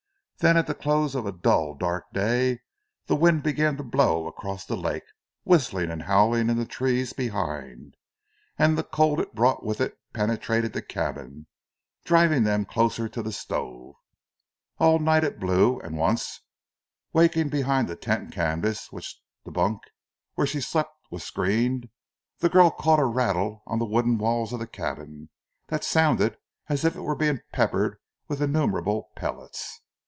Then at the close of a dull, dark day the wind began to blow across the lake, whistling and howling in the trees behind, and the cold it brought with it penetrated the cabin, driving them closer to the stove. All night it blew, and once, waking behind the tent canvas with which the bunk where she slept was screened, the girl caught a rattle on the wooden walls of the cabin, that sounded as if it were being peppered with innumerable pellets.